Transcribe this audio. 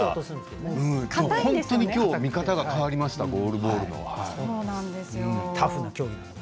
本当にきょう見方が変わりましたゴールボールの。